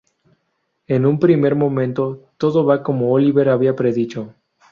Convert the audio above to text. En un primer momento, todo va como Oliver había predicho.